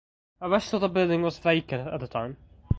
The rest of the building was vacant at the time.